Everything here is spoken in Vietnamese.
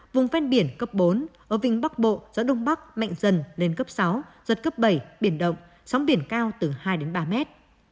vùng ven biển cấp bốn ở vịnh bắc bộ gió đông bắc mạnh dần lên cấp sáu giật cấp bảy biển động sóng biển cao từ hai đến ba mét